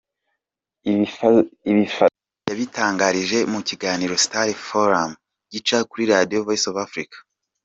Ibi Fazzo yabitangarije mu kiganiro Star Forum gica kuri Radio Voice of Africa.